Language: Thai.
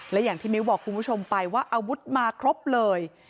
และอย่างที่มิ้วบอกคุณผู้ชมไปว่าอาวุธมาครบเลย